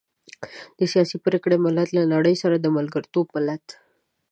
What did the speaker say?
د سياسي پرېکړې ملت، له نړۍ سره د ملګرتوب ملت.